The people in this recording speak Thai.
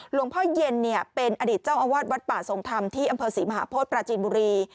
หลวงพ่อเย็นเป็นอดีตเจ้าอาวาสวัดป่าทรงธรรมที่อำเภอศรีมหาโพธิปราจีนบุรี